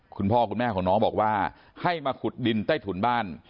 คุณพ่อคุณแม่ของน้องบอกว่าให้มาขุดดินใต้ถุนบ้าน